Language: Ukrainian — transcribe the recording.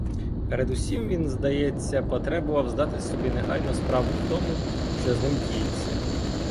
Передусім він, здається, потребував здати собі негайно справу в тому, що з ним діється.